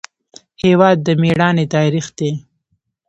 هېواد د میړانې تاریخ دی.